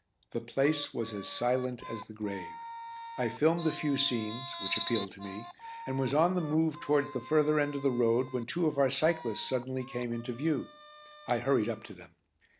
The place was as silent as the grave. I filmed a few scenes which appealed to me, and was on the move towards the further end of the road when two of our cyclists suddenly came into view. I hurried up to them.